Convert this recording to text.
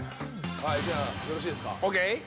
はいじゃよろしいですかＯＫ？